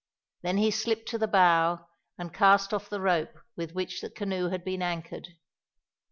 Then he slipped to the bow and cast off the rope with which the canoe had been anchored.